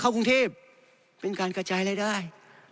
เข้าคุงทีบเป็นการกระจายรายได้